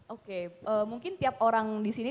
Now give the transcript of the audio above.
oke mungkin tiap orang disini